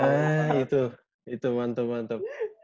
hah itu mantep mantep